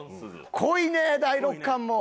濃いね第６巻も。